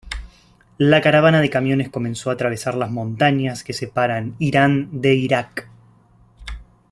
La caravana de camiones comenzó a atravesar las montañas que separan Irán de Irak.